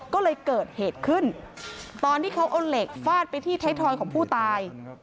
ก็เลยเกิดเหตุขึ้นตอนที่เขาเอาเหล็กฟาดไปที่ไทยทอยของผู้ตาย